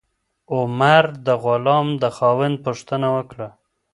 عمر د غلام د خاوند پوښتنه وکړه.